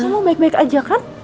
kamu baik baik aja kan